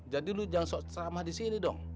jadi lu jangan sok sok sama disini dong